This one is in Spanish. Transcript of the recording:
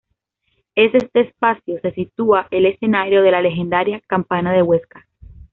Es este espacio se sitúa el escenario de la legendaria "Campana de Huesca".